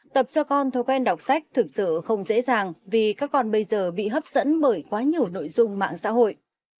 tập cho con thói quen đọc sách thực sự không dễ dàng vì các con bây giờ bị hấp dẫn bởi quá nhiều nội dung mạng xã hội